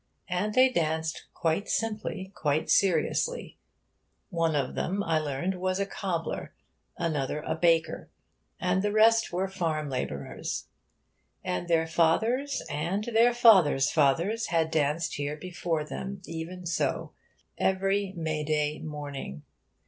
And they danced quite simply, quite seriously. One of them, I learned, was a cobbler, another a baker, and the rest were farm labourers. And their fathers and their fathers' fathers had danced here before them, even so, every May day morning.